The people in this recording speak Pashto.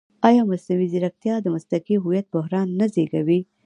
ایا مصنوعي ځیرکتیا د مسلکي هویت بحران نه زېږوي؟